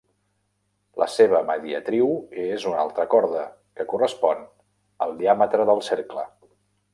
La seva mediatriu és una altra corda, que correspon al diàmetre del cercle.